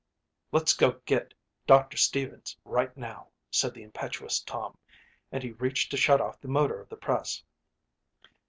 "Let's go get Doctor Stevens right now," said the impetuous Tom, and he reached to shut off the motor of the press.